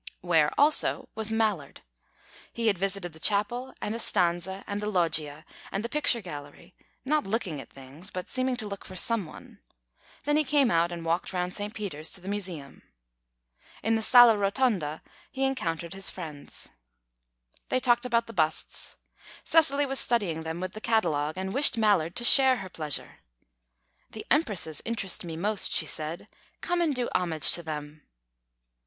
Where also was Mallard. He had visited the chapel, and the Stanze, and the Loggia, and the picture gallery, not looking at things, but seeming to look for some one; then he came out, and walked round St. Peter's to the Museum. In the Sala Rotonda he encountered his friends. They talked about the busts. Cecily was studying them with the catalogue, and wished Mallard to share her pleasure. "The empresses interest me most," she said. "Come and do homage to them."